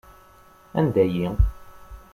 Anda-yi?